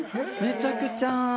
めちゃくちゃ。